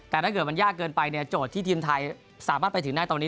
แต่ถ้าเกิดมันยากเกินไปเนี่ยโจทย์ที่ทีมไทยสามารถไปถึงได้ตอนนี้